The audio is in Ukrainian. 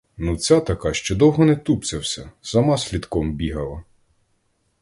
Ну, ця така, що довго не тупцявся, сама слідком бігала.